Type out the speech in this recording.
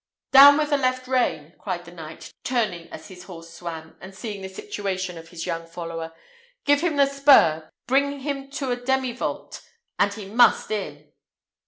"Down with the left rein!" cried the knight, turning as his horse swam, and seeing the situation of his young follower. "Give him the spur, bring him to a demivolte, and he must in."